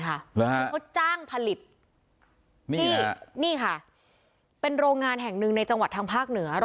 เขาจ้างผลิตนี่นี่ค่ะเป็นโรงงานแห่งหนึ่งในจังหวัดทางภาคเหนือ